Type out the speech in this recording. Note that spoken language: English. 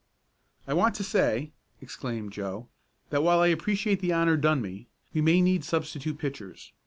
"I want to say," exclaimed Joe, "that while I appreciate the honor done me, we may need substitute pitchers.